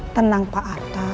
tenang pak arta